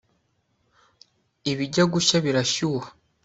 ibijya gushya birashyuha